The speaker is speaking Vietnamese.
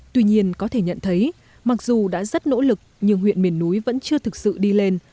tuy nhiên có thể nhận thấy mặc dù đã rất nỗ lực nhưng huyện miền núi vẫn chưa thực sự đi lên